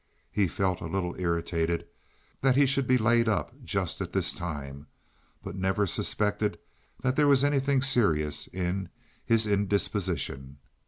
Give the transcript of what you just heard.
He felt a little irritated that he should be laid up just at this time, but never suspected that there was anything serious in his indisposition.